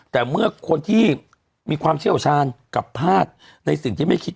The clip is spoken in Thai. แต่เมื่อคนที่มีความเชี่ยวชาญกับแพทย์ในสิ่งที่ไม่คิด